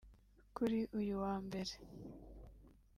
Kuri uyu wa mbere